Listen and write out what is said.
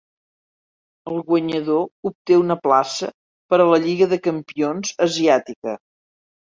El guanyador obté una plaça per a la Lliga de Campions asiàtica.